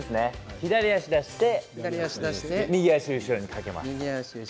左足を出して右足を後ろにかける。